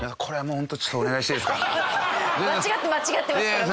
間違って間違ってますから本当に。